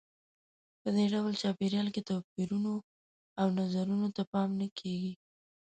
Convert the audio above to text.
په دې ډول چاپېریال کې توپیرونو او نظرونو ته پام نه کیږي.